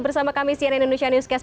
bersama kami cnn indonesia newscast